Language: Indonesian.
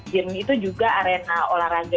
game itu juga arena olahraga